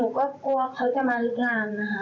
หนูก็กลัวว่าเขาจะมารีบร้านนะฮะ